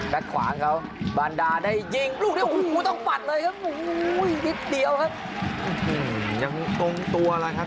เลยครับอุ้ยนิดเดียวครับอื้อหือยังตรงตัวอะไรครับ